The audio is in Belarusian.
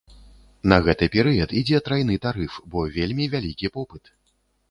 На гэты перыяд ідзе трайны тарыф, бо вельмі вялікі попыт!